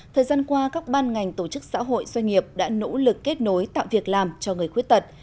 thời gian qua các ban ngành tổ chức xã hội doanh nghiệp đã nỗ lực kết nối tạo việc làm cho người khuyết tật